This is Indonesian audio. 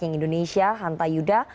yang ingin kita ketahui